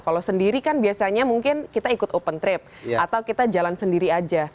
kalau sendiri kan biasanya mungkin kita ikut open trip atau kita jalan sendiri aja